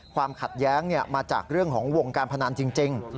ความขัดแย้งมาจากเรื่องของวงการพนันจริง